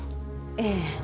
ええ。